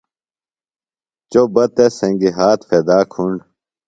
چوۡ بہ تس سنگیۡ ہات پھدا کُھنڈ